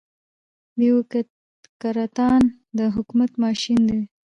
بيوکراتان د حکومت ماشين دي.